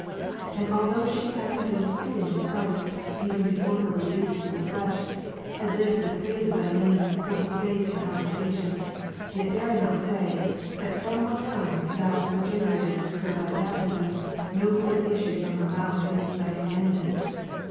And although she having been quickened in Christ, even ' before her release from the flesh, had lived to the praise of Thy name for her faith and conversation ; yet dare I not say that from what time Thou regeneratedst her by baptism, no Mat. 12, word issued from her mouth against Thy Commandment.